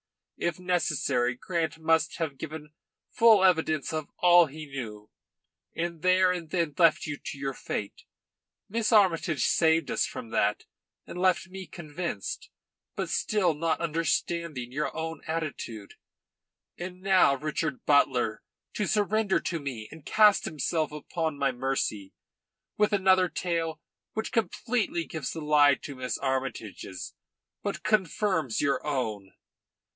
If necessary Grant must have given full evidence of all he knew, and there and then left you to your fate. Miss Armytage saved us from that, and left me convinced, but still not understanding your own attitude. And now comes Richard Butler to surrender to me and cast himself upon my mercy with another tale which completely gives the lie to Miss Armytage's, but confirms your own."